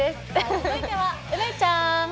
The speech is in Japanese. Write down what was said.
続いては梅ちゃん。